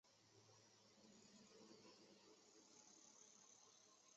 沈阳的韩国领事官员被派往事故现场成立事故相应团队。